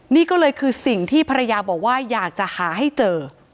นี่ก็เลยคือสิ่งที่ภรรยาบอกว่าอยากจะหาให้เจอ